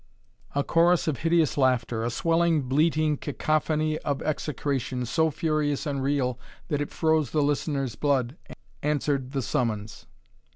A chorus of hideous laughter, a swelling, bleating cacophony of execration, so furious and real that it froze the listeners' blood, answered the summons.